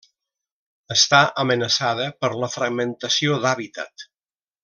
Està amenaçada per la fragmentació d'hàbitat.